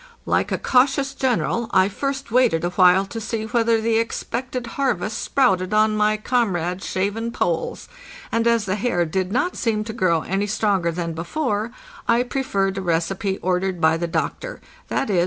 Like a cautious general, I first waited a while to see whether the expected harvest sprouted on my comrades' shaven polls; and as the hair did not seem to grow any stronger than before, I preferred a recipe ordered by the doctor—viz.